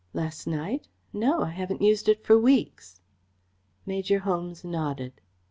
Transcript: "Last night? No. I haven't used it for weeks." Major Holmes nodded.